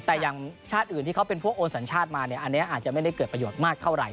แต่อย่างชาติอื่นที่เขาเป็นพวกโอนสัญชาติมาเนี่ยอันนี้อาจจะไม่ได้เกิดประโยชน์มากเท่าไหร